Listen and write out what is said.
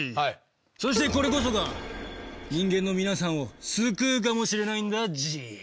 そしてこれこそが人間の皆さんを救うかもしれないんだＧ。